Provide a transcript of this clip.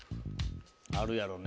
あるやろね。